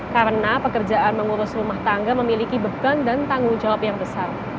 karena pekerjaan mengurus rumah tangga memiliki beban dan tanggung jawab yang besar